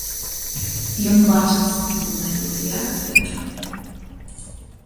Ён бачыць, куды менавіта я гляджу.